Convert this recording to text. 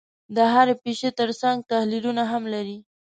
د هرې پېښې ترڅنګ تحلیلونه هم لري.